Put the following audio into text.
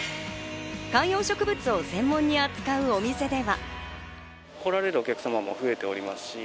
観葉植物を専門に扱うお店では。